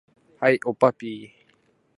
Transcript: はい、おっぱっぴー